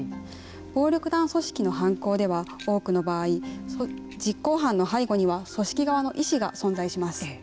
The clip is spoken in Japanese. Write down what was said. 暴力団組織の犯行では多くの場合実行犯の背後には組織側の意思が存在します。